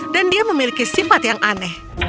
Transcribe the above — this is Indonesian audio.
dan dia memiliki sifat yang aneh